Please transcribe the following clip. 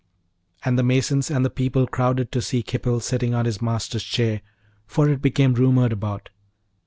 And the masons and the people crowded to see Khipil sitting on his master's chair, for it became rumoured about.